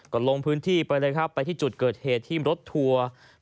ก็ลงพื้นที่ไปเลยครับไปที่จุดเกิดเหตุที่รถทัวร์